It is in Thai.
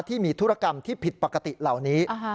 ที่มีธุรกรรมที่ผิดปกติเหล่านี้